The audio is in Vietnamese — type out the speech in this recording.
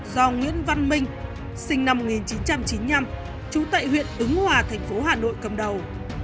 do nguyễn văn minh sinh năm một nghìn chín trăm chín mươi năm trú tại huyện ứng hòa thành phố hà nội cầm đầu